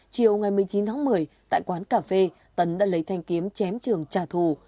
chiều ngày một mươi chín tháng một mươi tại quán cà phê tấn đã lấy thanh kiếm chém trường trả thù